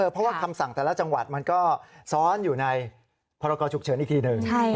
เพราะว่าคำสั่งแต่ละจังหวัดมันก็ซ้อนอยู่ในพรกรฉุกเฉินอีกทีหนึ่ง